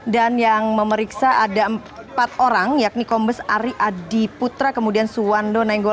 dan yang memeriksa ada empat orang yakni kombes ari adiputra kemudian suwando nenggobo